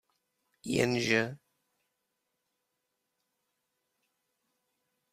Jenže...